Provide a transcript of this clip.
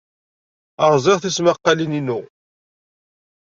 Rẓiɣ tismaqqalin-inu.